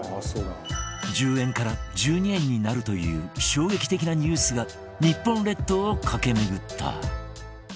１０円から１２円になるという衝撃的なニュースが日本列島を駆け巡った